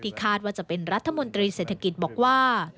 คาดว่าจะเป็นรัฐมนตรีเศรษฐกิจบอกว่า